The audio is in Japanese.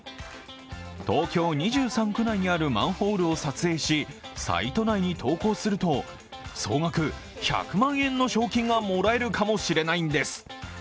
東京２３区内にあるマンホールを撮影し、サイト内に投稿すると総額１００万円の賞金がもらえるかもしれないんです。